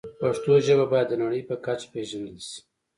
پښتو ژبه باید د نړۍ په کچه پېژندل شي.